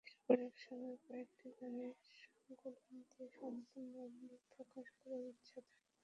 এরপর একসঙ্গে কয়েকটি গানের সংকলন দিয়ে পূর্ণাঙ্গ অ্যালবাম প্রকাশ করার ইচ্ছে তাঁর।